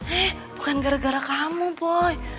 eh bukan gara gara kamu boy